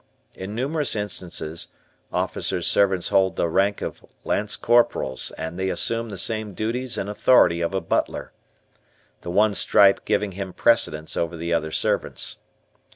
In numerous instances, officers' servants hold the rank of lance corporals and they assume the same duties and authority of a butler. The one stripe giving him precedence over the other servants.